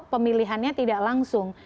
pemilihannya tidak langsung